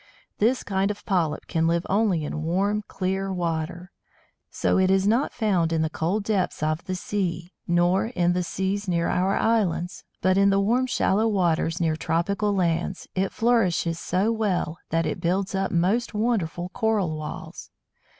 This kind of polyp can live only in warm, clear water. So it is not found in the cold depths of the sea, nor in the seas near our islands, but in the warm shallow waters near tropical lands it flourishes so well that it builds up most wonderful Coral walls.